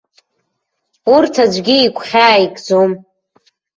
Урҭ аӡәгьы игәхьаа икӡом.